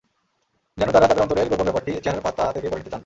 যেন তারা তাদের অন্তরের গোপন ব্যাপারটি চেহারার পাতা থেকে পড়ে নিতে চান।